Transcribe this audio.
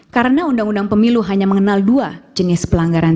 karena undang undang pemilu hanya mengenal dua jenis pelanggaran tsm